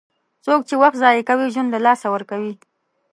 څوک چې وخت ضایع کوي، ژوند له لاسه ورکوي.